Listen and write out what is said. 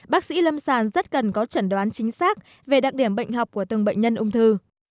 bác sĩ lâm sàng rất cần có chẩn đoán chính xác về đặc điểm bệnh học của từng bệnh nhân ung thư